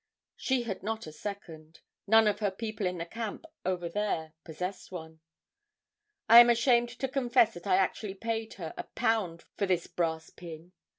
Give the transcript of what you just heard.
She had not a second. None of her people in the camp over there possessed one. I am ashamed to confess that I actually paid her a pound for this brass pin!